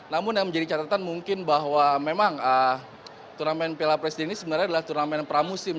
namun yang menjadi catatan mungkin bahwa memang turnamen piala presiden ini sebenarnya adalah turnamen pramusim